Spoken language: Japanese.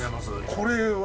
これは？